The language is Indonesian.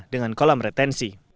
dengan kolam retensi